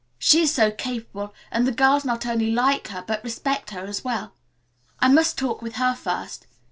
She is so capable and the girls not only like her but respect her as well. I must talk with her first.